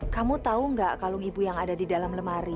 kamu tahu nggak kalung ibu yang ada di dalam lemari